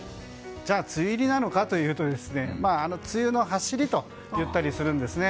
梅雨入りなのかというと梅雨の走りと言ったりします。